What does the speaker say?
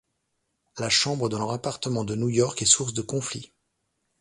La chambre de leur appartement de New York est source de conflits.